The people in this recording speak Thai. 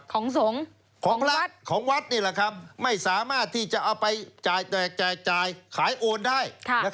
ของสงฆ์ของรัฐของวัดนี่แหละครับไม่สามารถที่จะเอาไปแจกจ่ายขายโอนได้